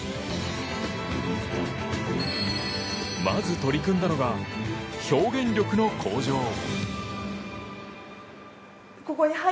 まず取り組んだのが表現力の向上。